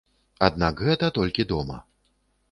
Аднак гэта толькі дома.